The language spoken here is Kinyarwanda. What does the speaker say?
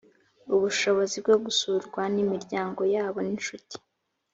ubushobozi bwo gusurwa n imiryango yabo n inshuti